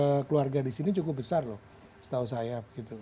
jumlah keluarga di sini cukup besar loh setahu saya